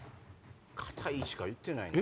硬いしか言ってないな。